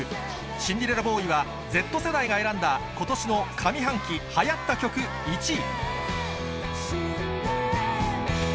シンデレラボーイは、Ｚ世代が選んだことしの上半期はやった曲１位。